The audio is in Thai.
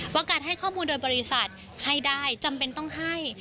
การให้ข้อมูลโดยบริษัทให้ได้จำเป็นต้องให้